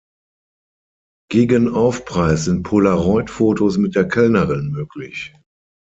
Gegen Aufpreis sind Polaroid-Fotos mit der Kellnerin möglich.